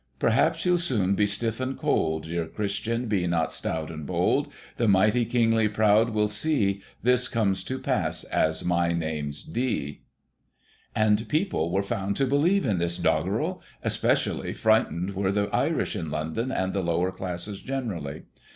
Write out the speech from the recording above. " Perhaps you'll soon be stiff and cold, Dear Christian, be not stout and bold ; The mighty Kingly proud will see This comes to pass, as my name's Dee." And people were found to believe in this doggerel — especially frightened were the Irish in London, and the lower classes generally.